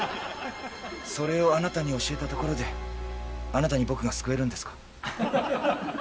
それをあなたに教えたところであなたに僕が救えるんですか？